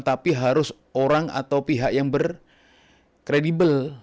tapi harus orang atau pihak yang berkredibel